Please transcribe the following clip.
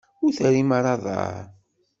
Ur terrim ara aḍar.